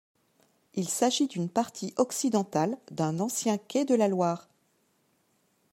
Il s'agit d'une partie occidentale d'un ancien quai de la Loire.